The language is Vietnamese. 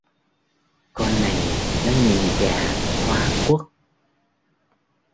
Con này nó nhìn gà hóa quốc